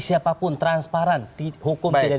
siapapun transparan hukum tidak